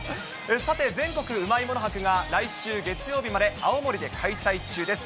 さて、全国うまいもの博が、来週月曜日まで、青森で開催中です。